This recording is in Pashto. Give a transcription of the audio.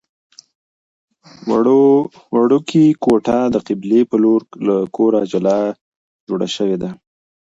وړوکې کوټه د قبلې په لور له کوره جلا جوړه شوې ده.